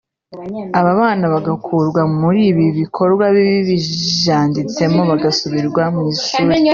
aba bana bagakurwa muri ibi bikorwa bibi bijanditsemo bagasubizwa mu ishuri